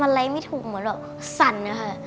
มันไม่ถูกเหมือนแบบสั่นค่ะ